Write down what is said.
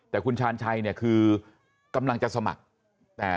แต่คุณชาญชัยกำลังจะสมัครแต่ไม่ให้สมัคร